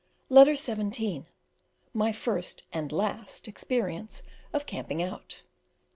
Letter XVII: My first and last experience of "camping out."